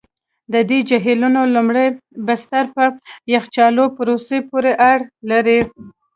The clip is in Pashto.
د دې جهیلونو لومړني بستر په یخچالي پروسې پوري اړه لري.